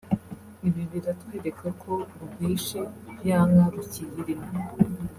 Ibi biratwereka ko urwishe ya nka rukiyirimo